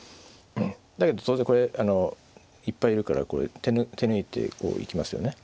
だけど当然これいっぱいいるからこれ手抜いてこう行きますよね。